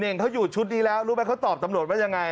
่งเขาอยู่ชุดนี้แล้วรู้ไหมเขาตอบตำรวจว่ายังไง